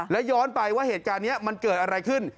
แล้วย้อนไปว่าเหตุการณ์นี้มันเกิดอะไรขึ้น